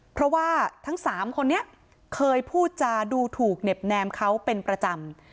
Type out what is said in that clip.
เพราะว่าทั้ง๓คนนี้เคยพูดจาดูถูกเหน็บแนมเขาเป็นประจำ